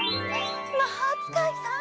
まほうつかいさん。